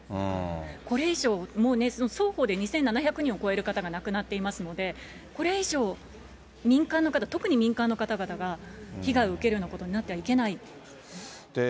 これ以上、もうね、双方で２７００人を超える方が亡くなっていますので、これ以上、民間の方、特に民間の方々が被害を受けるようなことになってはいけない。